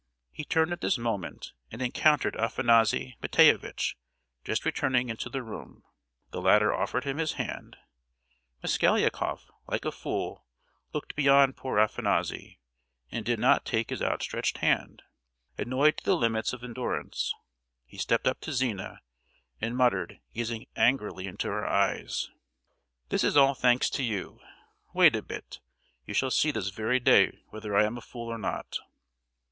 He turned at this moment, and encountered Afanassy Matveyevitch, just returning into the room. The latter offered him his hand. Mosgliakoff, like a fool, looked beyond poor Afanassy, and did not take his outstretched hand: annoyed to the limits of endurance, he stepped up to Zina, and muttered, gazing angrily into her eyes: "This is all thanks to you! Wait a bit; you shall see this very day whether I am a fool or not!"